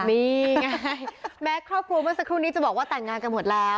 นี่ไงแม้ครอบครัวเมื่อสักครู่นี้จะบอกว่าแต่งงานกันหมดแล้ว